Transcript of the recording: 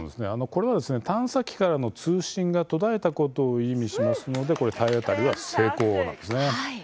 これは探査機からの通信が途絶えたことを意味しますのでこれ、体当たりは成功なんですね。